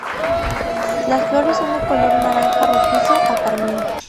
Las flores son de color naranja rojizo a carmín.